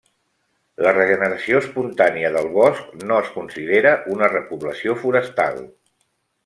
La regeneració espontània del bosc no es considera una repoblació forestal.